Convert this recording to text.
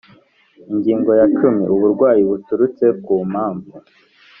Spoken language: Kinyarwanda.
Ingingo ya cumi Uburwayi buturutse ku mpamvu